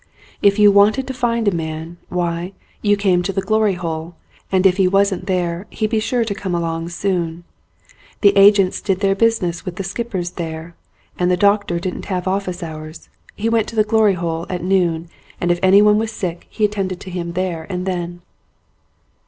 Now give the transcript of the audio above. If you wanted to find a man, why, you came to the Glory Hole, and if he wasn't there he'd be sure to come along soon. The agents did their business with the skippers there, and the doctor didn't have office hours ; he went to the Glory Hole at noon and if anyone was sick he attended to him there 45 ON A CHINESE SCREEN and then.